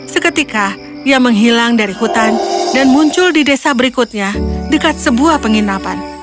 seketika ia menghilang dari hutan dan muncul di desa berikutnya dekat sebuah penginapan